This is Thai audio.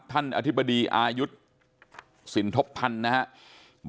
ท่านอธิบดีอายุทธ์สินทบทันนะครับ